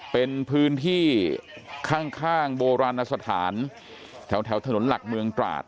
เป็นพื้นที่ข้างโบราณสถานแถวถนนหลักเมืองตราด